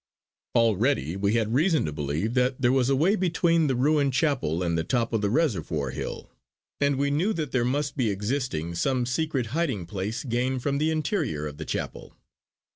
Already we had reason to believe that there was a way between the ruined chapel and the top of the reservoir hill, and we knew that there must be existing some secret hiding place gained from the interior of the chapel.